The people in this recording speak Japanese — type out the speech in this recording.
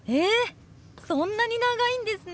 そんなに長いんですね！